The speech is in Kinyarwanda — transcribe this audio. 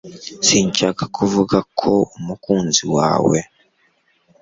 sinshaka kuvuga ko umukunzi wawe